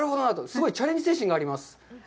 すごいチャレンジ精神があります。